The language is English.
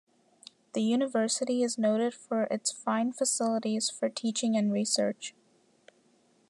The university is noted for its fine facilities for teaching and research.